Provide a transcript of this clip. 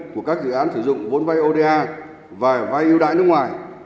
của các dự án sử dụng vốn vay oda và vay ưu đãi nước ngoài